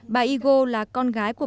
bà yê là con gái bà yê